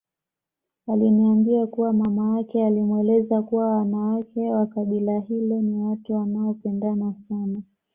Aliniambia kuwa mama yake alimweleza kuwa wanawake wa kabila hilo ni watu wanaopendana sana